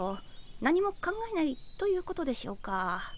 何も考えないということでしょうか？